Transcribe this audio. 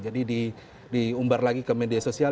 jadi diumbar lagi ke media sosial